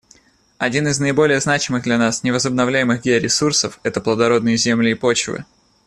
Один из наиболее значимых для нас невозобновляемых георесурсов — это плодородные земли и почвы.